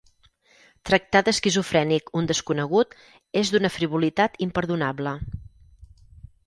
Tractar d'esquizofrènic un desconegut és d'una frivolitat imperdonable.